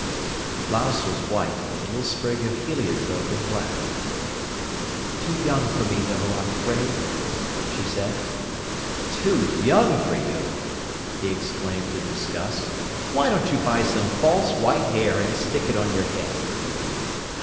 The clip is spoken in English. The blouse was white, with a little sprig of heliotrope and black. "Too young for me, though, I'm afraid," she said. "Too young for you!" he exclaimed in disgust. "Why don't you buy some false white hair and stick it on your head."